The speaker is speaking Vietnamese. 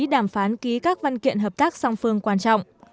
đàm phán ký các văn kiện hợp tác song phương quan trọng